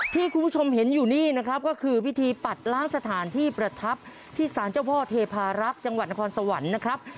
ที่คุณผู้ชมเห็นอยู่นี่นะครับก็คือพิธีปัดล้างสถานที่ประทับที่สารเจ้าพ่อเทพารักษ์จังหวัดนครสวรรค์นะครับ